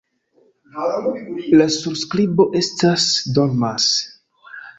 La surskribo estas: "dormas".